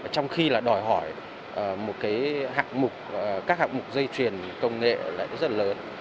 trong khi đòi hỏi các hạng mục dây truyền công nghệ rất lớn